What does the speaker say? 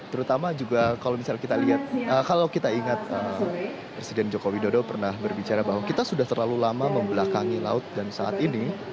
terutama juga kalau misalnya kita lihat kalau kita ingat presiden jokowi dodo pernah berbicara bahwa kita sudah terlalu lama membelakangi laut dan saat ini